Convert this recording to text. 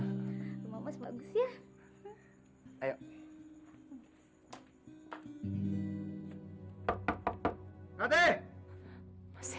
rumah mas bagus ya